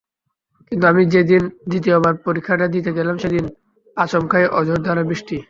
কিন্তু আমি যেদিন দ্বিতীয়বার পরীক্ষাটা দিতে গেলাম সেদিন আচমকাই অঝোরধারায় বৃষ্টি।